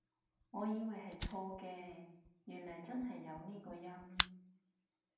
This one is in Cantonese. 我以為係錯嘅，原來真係有呢個音？